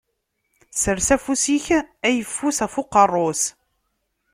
Sers afus-ik ayeffus ɣef uqerru-s.